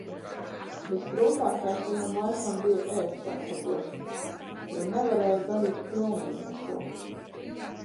Visgrūtākais viņam laikam bija ēst gatavošana. Jo nevarēju darīt pilnīgi neko.